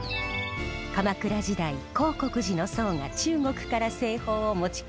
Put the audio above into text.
鎌倉時代興国寺の僧が中国から製法を持ち帰りました。